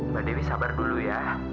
mbak dewi sabar dulu ya